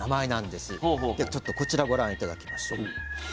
ではちょっとこちらご覧頂きましょう。